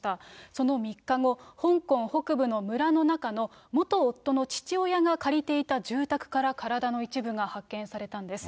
その３日後、香港北部の村の中の、元夫の父親が借りていた住宅から体の一部が発見されたんです。